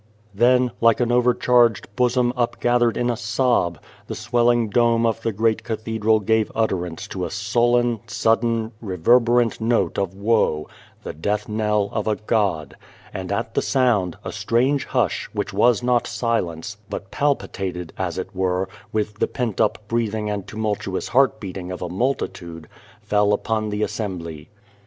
Then, like an overcharged bosom upgathered in a sob, the swelling dome of the great cathe dral gave utterance to a sullen, sudden, rever berant note of woe the death knell of a God and, at the sound, a strange hush, which was not silence, but palpitated, as it were, with the pent up breathing and tumultuous heart beating of a multitude, fell upon the as sembly.